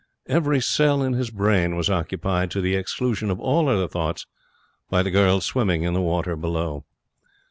Every cell in his brain was occupied, to the exclusion of all other thoughts, by the girl swimming in the water below.